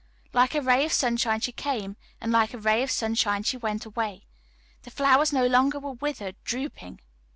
Like a ray of sunshine she came, and like a ray of sunshine she went away. The flowers no longer were withered, drooping.